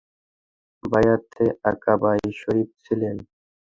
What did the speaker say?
বাইয়াতে আকাবায় শরীক ছিলেন।